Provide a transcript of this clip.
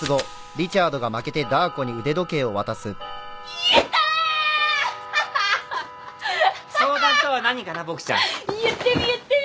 言ってみ言ってみ！